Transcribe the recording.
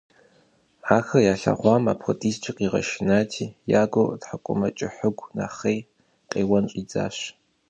Ахэр къалъэгъуам апхэдизкӀэ игъэшынати, я гур тхьэкӀумэкӀыхьыгу нэхъей, къеуэн щӀидзащ.